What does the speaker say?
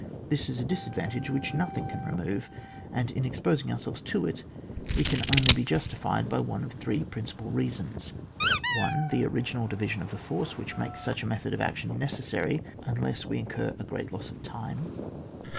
This is a disadvan tage which nothing can remove, and in exposing ourselves to it, we can only be justified by one of three principal rea sons :— 1. The original division of the force which makes such a method of action necessary, unless we incur a great loss of time.